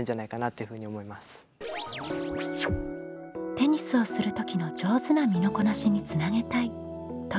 「テニスをする時の上手な身のこなしにつなげたい」というはるなさん。